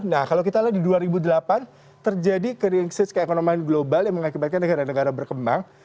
nah kalau kita lihat di dua ribu delapan terjadi krisis keekonomian global yang mengakibatkan negara negara berkembang